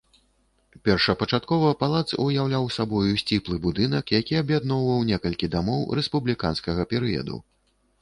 Першапачаткова палац уяўляў сабою сціплы будынак, які аб'ядноўваў некалькіх дамоў рэспубліканскага перыяду.